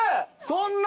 そんな。